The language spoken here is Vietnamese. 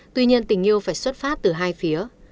tuy nhiên tình yêu phải xuất phát từ hai phía